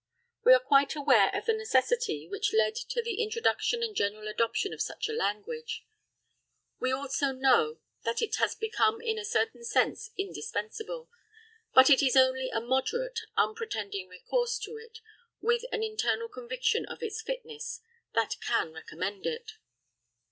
We are quite aware of the necessity which led to the introduction and general adoption of such a language, we also know that it has become in a certain sense indispensable; but it is only a moderate, unpretending recourse to it, with an internal conviction of its fitness, that can recommend it.